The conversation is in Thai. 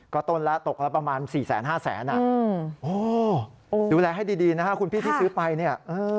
ก็ตกละประมาณ๔๕แสนดูแลให้ดีนะครับคุณพี่ที่ซื้อไป